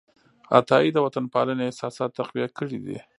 عطايي د وطنپالنې احساسات تقویه کړي دي.